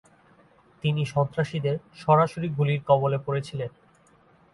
তিনি সন্ত্রাসীদের সরাসরি গুলির কবলে পড়েছিলেন।